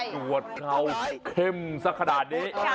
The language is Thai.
ตรวจเข้าเข้มสักขนาดนี้